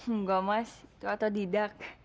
enggak mas itu atau didak